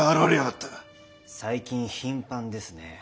最近頻繁ですね。